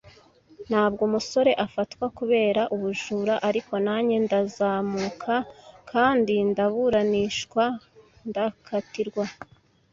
Ntabwo umusore afatwa kubera ubujura ariko nanjye ndazamuka, kandi ndaburanishwa ndakatirwa.